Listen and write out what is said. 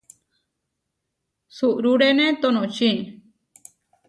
Suʼrúrene tonoči.